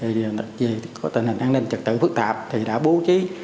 về riêng về ba xã biên giới thì nó có tình hình an ninh trật tự phức tạp thì đã bố trí